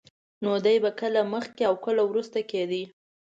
نو دی به کله مخکې او کله وروسته کېده.